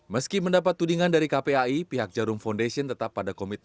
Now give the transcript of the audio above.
meski mendapat tudingan dari kpai pihak jarum foundation tetap pada komitmen